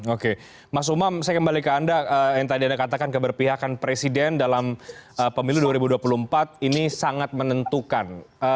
oke mas umam saya kembali ke anda yang tadi anda katakan keberpihakan presiden dalam pemilu dua ribu dua puluh empat ini sangat menentukan